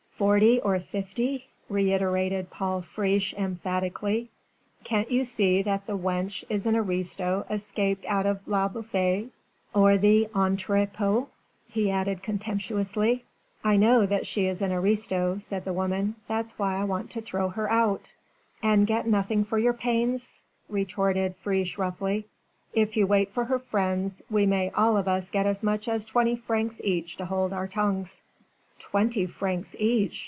"Forty or fifty?" reiterated Paul Friche emphatically. "Can't you see that the wench is an aristo escaped out of Le Bouffay or the entrepôt?" he added contemptuously. "I know that she is an aristo," said the woman, "that's why I want to throw her out." "And get nothing for your pains," retorted Friche roughly. "If you wait for her friends we may all of us get as much as twenty francs each to hold our tongues." "Twenty francs each...."